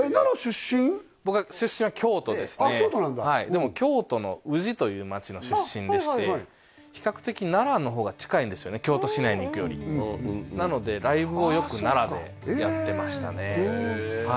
でも京都の宇治という街の出身でして比較的奈良の方が近いんですよね京都市内に行くよりなのでライブをよく奈良でやってましたねへえ